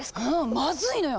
まずいのよ！